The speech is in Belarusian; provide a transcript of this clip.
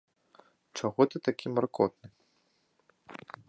Чаго ты такі маркотны?